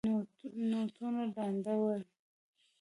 نوټونه لانده ول.